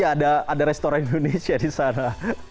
mungkin saja ada restoran indonesia di sana